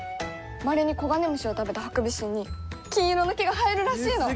まれにコガネムシを食べたハクビシンに金色の毛が生えるらしいの！